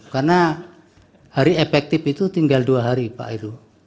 karena hari efektif itu tinggal dua hari pak edo